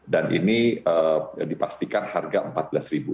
dan ini dipastikan harga empat belas ribu